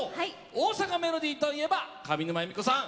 「大阪メロディー」といえば上沼恵美子さん